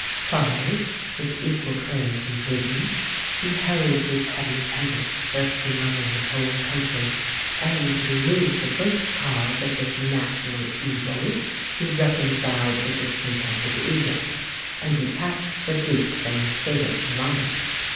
Charles, with equal courage and prudence, beheld this heavy tempest bursting over his whole country; and to remove the first cause of this national evil, he reconciled the discontented Eude, and detached the duke from his fatal alliance.